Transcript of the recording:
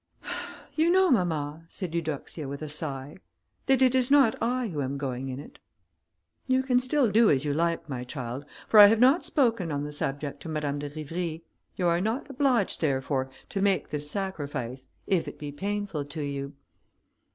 "You know, mamma," said Eudoxia, with a sigh, "that it is not I who am going in it." "You can still do as you like, my child, for I have not spoken on the subject to Madame de Rivry; you are not obliged, therefore, to make this sacrifice, if it be painful to you."